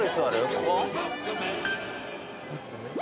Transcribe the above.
ここ？